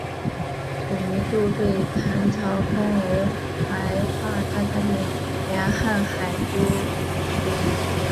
吐迷度被唐朝封为怀化大将军兼瀚海都督。